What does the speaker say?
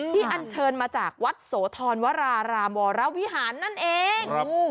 อันเชิญมาจากวัดโสธรวรารามวรวิหารนั่นเอง